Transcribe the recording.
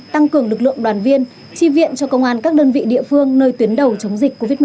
tăng cường lực lượng đoàn viên tri viện cho công an các đơn vị địa phương nơi tuyến đầu chống dịch covid một mươi chín